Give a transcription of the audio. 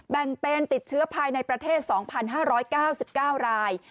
แบ่งเป็นติดเชื้อภายในประเทศ๒๕๙๙ราย